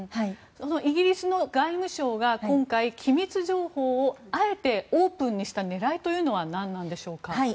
イギリスの外務省が今回、機密情報をあえてオープンにした狙いは何なんでしょうか。